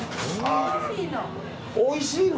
おいしいの。